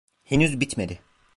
Henüz bitmedi.